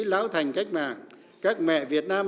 lão thành cách mạng các mẹ việt nam